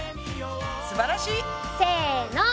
すばらしい！せの！